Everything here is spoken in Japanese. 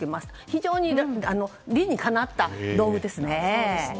非常に理にかなった道具ですね。